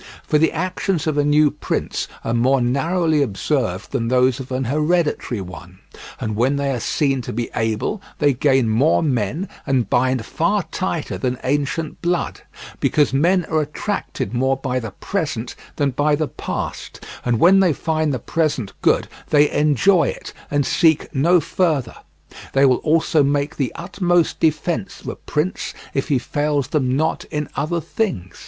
For the actions of a new prince are more narrowly observed than those of an hereditary one, and when they are seen to be able they gain more men and bind far tighter than ancient blood; because men are attracted more by the present than by the past, and when they find the present good they enjoy it and seek no further; they will also make the utmost defence of a prince if he fails them not in other things.